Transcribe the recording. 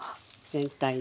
全体にね。